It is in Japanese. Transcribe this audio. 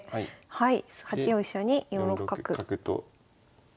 はい。